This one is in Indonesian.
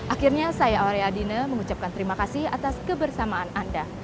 akhirnya saya aureadina mengucapkan terima kasih atas kebersamaan anda